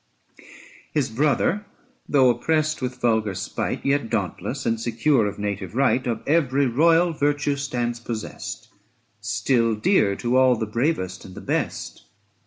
His brother, though oppressed with vulgar spite, Yet dauntless and secure of native right, Of every royal virtue stands possest, 355 Still dear to all the bravest and the best.